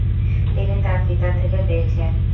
তিনি তার পিতার থেকে পেয়েছেন।